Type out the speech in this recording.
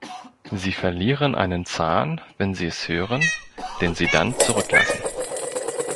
Sie verlieren einen Zahn, wenn sie es hören, den sie dann zurücklassen.